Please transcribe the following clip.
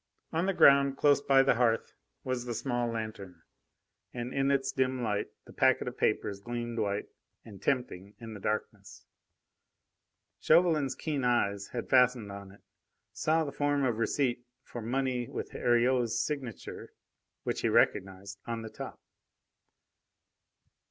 On the ground close by the hearth was the small lanthorn, and in its dim light the packet of papers gleamed white and tempting in the darkness. Chauvelin's keen eyes had fastened on it, saw the form of receipt for money with Heriot's signature, which he recognised, on the top.